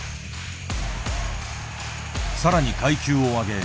さらに階級を上げ